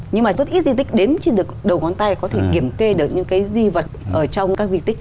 nhưng mà rất ít di tích đếm trên được đầu ngón tay có thể kiểm kê được những cái di vật ở trong các di tích